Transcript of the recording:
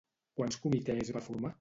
Quants comitès va formar?